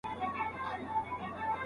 ولي په هرات کي صادراتو ته اړتیا ده؟